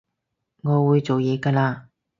我會做嘢㗎喇